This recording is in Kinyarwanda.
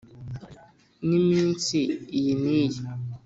n’iminsi iyi ni yi,